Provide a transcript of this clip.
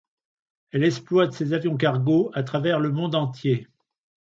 Elle exploite ses avions cargo à travers le monde entier.